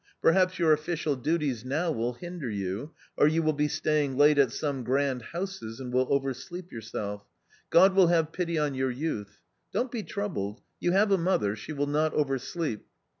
Perhaps your official duties now will hinder you, or you will be staying late at some grand houses and will oversleep yourself. God will have pity on your, youth. Don't be troubled ; you have a mother ; she will not oversleep.